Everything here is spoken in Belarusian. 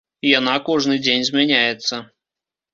Яна кожны дзень змяняецца.